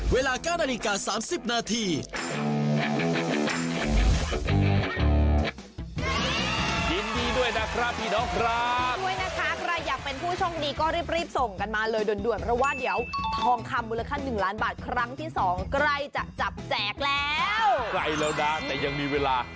เวลา๙นาฬิกา๓๐นาที